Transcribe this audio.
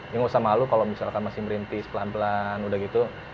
ya nggak usah malu kalau misalkan masih merintis pelan pelan udah gitu